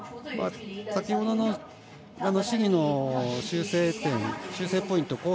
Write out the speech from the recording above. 先ほどの試技の修正ポイント